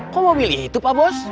kok mobilnya itu pak bos